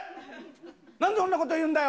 なんでそんなこと言うんだよ。